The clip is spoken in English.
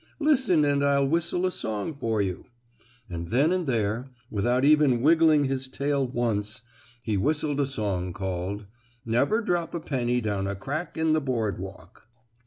Listen and I'll whistle a song for you," and then and there, without even wiggling his tail once, he whistled a song called: "Never Drop a Penny Down a Crack in the Boardwalk."